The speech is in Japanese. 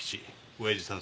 親父さんさ。